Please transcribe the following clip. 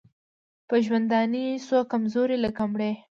په ژوندوني سو کمزوری لکه مړی